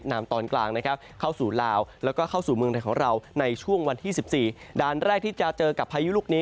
ด่านแรกที่จะเจอกับพยุลูกนี้